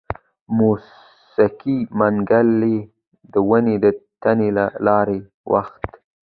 موسکی منګلی د ونې د تنې له لارې وخوت.